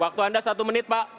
waktu anda satu menit pak